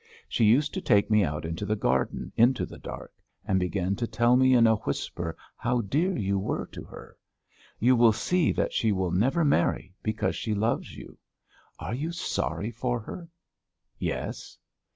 She used to take me out into the garden, into the dark, and begin to tell me in a whisper how dear you were to her. You will see that she will never marry because she loves you. Are you sorry for her?" "Yes."